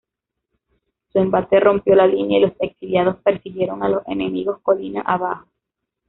Su embate rompió la línea, y los exiliados persiguieron a los enemigos colina abajo.